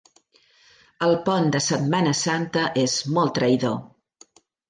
El pont de Setmana Santa és molt traïdor.